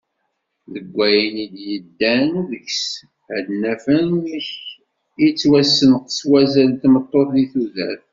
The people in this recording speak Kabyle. Deg wayen i d-yeddan deg-s, ad naf amek ittwasenqes wazal n tmeṭṭut di tudert.